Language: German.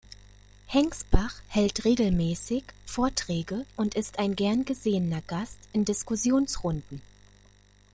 Hengsbach hält regelmäßig Vorträge und ist ein gern gesehener Gast in Diskussionsrunden.